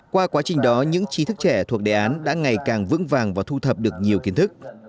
qua quá trình đó những trí thức trẻ thuộc đề án đã ngày càng vững vàng và thu thập được nhiều kiến thức